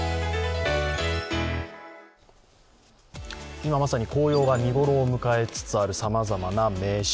今まさに紅葉が見頃を迎えつつあるさまざまな名所。